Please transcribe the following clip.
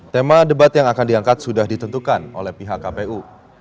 tema debat yang akan diangkat sudah ditentukan oleh pihak kpu